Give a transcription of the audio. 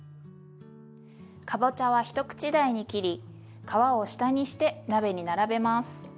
かぼちゃは一口大に切り皮を下にして鍋に並べます。